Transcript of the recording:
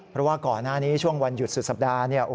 เพราะว่าก่อนหน้านี้ช่วงวันหยุดสุดสัปดาห์